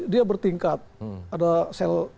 dia bertingkat ada sel